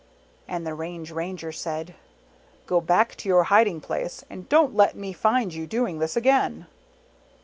And the Range Ranger said, " Go back to your hiding place; and don't let me find you doing this again."